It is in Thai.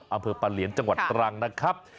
อำเภอปะเหลียนจังหวัดตรังนะครับ